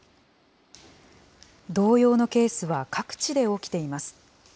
同様のケースは各地で起きています。